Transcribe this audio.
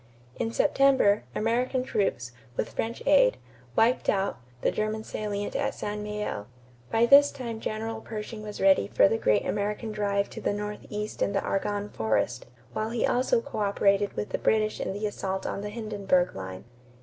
In September, American troops, with French aid, "wiped out" the German salient at St. Mihiel. By this time General Pershing was ready for the great American drive to the northeast in the Argonne forest, while he also coöperated with the British in the assault on the Hindenburg line.